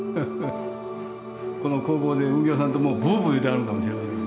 この工房で吽形さんともうブーブー言うてはるかもしれませんよ。